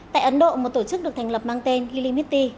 tại ấn độ một tổ chức được thành lập mang tên limitti